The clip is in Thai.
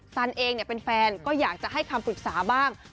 สันเองเป็นแฟนก็อยากจะให้คำปรึกษาบ้าง